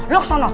lu ke sana